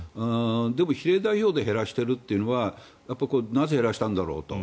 でも比例代表で減らしているというのはなぜ減らしたんだろうと。